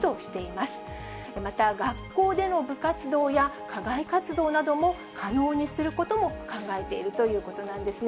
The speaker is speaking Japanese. また、学校での部活動や課外活動なども可能にすることも考えているということなんですね。